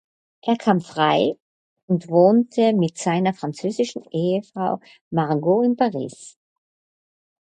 Er kam frei und wohnte mit seiner französischen Ehefrau Margo in Paris.